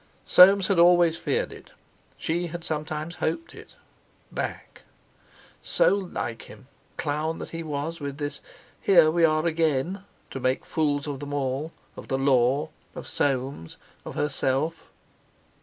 Soames had always feared it—she had sometimes hoped it.... Back! So like him—clown that he was—with this: "Here we are again!" to make fools of them all—of the Law, of Soames, of herself!